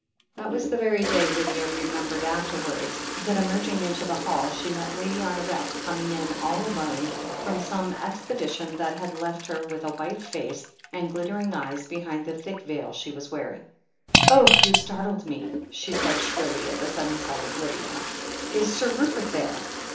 That was the very day, Lydia remembered after 300 THE HEEL OF ACHILLES wards, that emerging into the hall, she met Lady Honoret, coming in all alone from some expedition that had left her with a white face and glittering eyes behind the thick veil she was wearing. "Oh, you startled me I" she said shrilly, at the sudden sight of Lydia. "Is Sir Rupert there?"